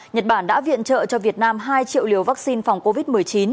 nhật bản đã viện trợ cho việt nam hai triệu liều vaccine phòng covid một mươi chín